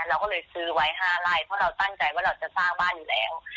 เราก็เลยซื้อไว้๕ไร่เพราะเราตั้งใจว่าเราจะสร้างบ้านอยู่แล้ว